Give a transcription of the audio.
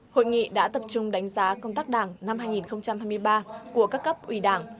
hội nghị đã tập trung đánh giá công tác đảng năm hai nghìn hai mươi ba của các cấp ủy đảng